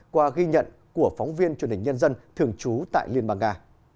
qua ghi nhận của phóng viên truyền hình nhân dân thường trú tại liên bang nga